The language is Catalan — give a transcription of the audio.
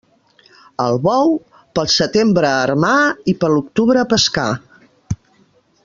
El bou, pel setembre a armar i per l'octubre a pescar.